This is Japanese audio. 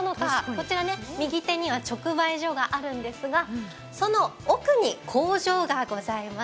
こちら、右手には直売所があるんですが、その奥に工場がございます。